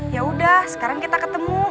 yaudah sekarang kita ketemu